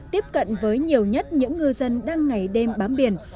tiếp cận với nhiều nhất những ngư dân đang ngày đêm bám biển